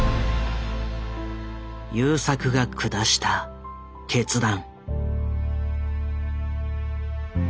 優作が下した決断。